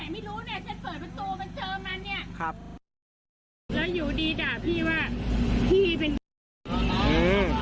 แล้วอยู่ดีด่าพี่ว่าพี่เป็น